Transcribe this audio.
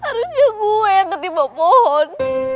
harusnya gue yang ketimpa pohon